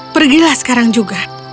pergilah sekarang juga